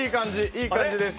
いい感じです。